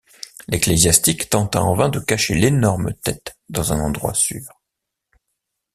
L'ecclésiastique tenta en vain de cacher l'énorme tête dans un endroit sûr.